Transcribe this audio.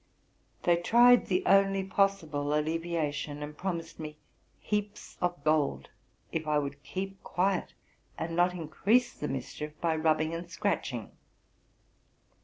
They tried the only possible alleviation, and promised me heaps of gold if I would keep quiet, and not increase the mischief by rub bing and scratching.